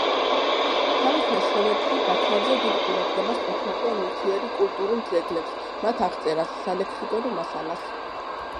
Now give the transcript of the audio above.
თავის ნაშრომებში ბაქრაძე დიდ ყურადღებას უთმობდა ნივთიერი კულტურულ ძეგლებს, მათ აღწერას, სალექსიკონო მასალას.